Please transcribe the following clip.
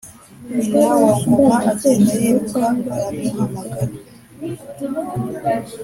Nyina wa Ngoma agenda yiruka aramuhamagara,